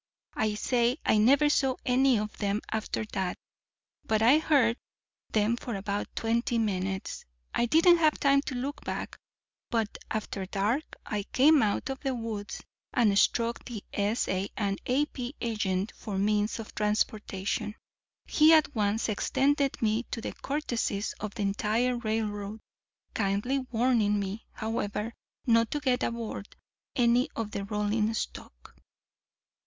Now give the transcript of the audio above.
I say I never saw any of them after that; but I heard them for about twenty minutes. I didn't have time to look back. But after dark I came out of the woods and struck the S.A. & A.P. agent for means of transportation. He at once extended to me the courtesies of the entire railroad, kindly warning me, however, not to get aboard any of the rolling stock.